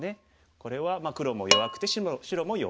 これは黒も弱くて白も弱い。